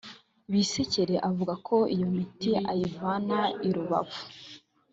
Bisekere avuga ko iyo miti ayivana i Rubavu